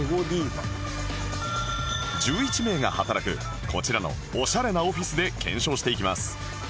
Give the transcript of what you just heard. １１名が働くこちらのオシャレなオフィスで検証していきます